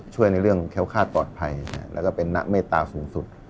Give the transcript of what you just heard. ในเรื่องแค้วคาดปลอดภัยแล้วก็เป็นนักเมตตาสูงสุด